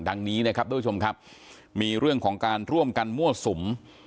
ดังนี้นะครับทุกผู้ชมครับมีเรื่องของการร่วมกันมั่วสุม